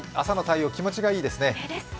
朝の太陽、気持ちがいいですね。